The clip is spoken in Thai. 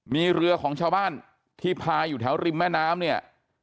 มีเรือของชาวบ้านที่พาอยู่แถวริมแม่น้ำเนี่ย